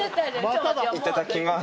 いただきます。